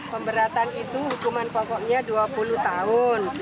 pemberatan itu hukuman pokoknya dua puluh tahun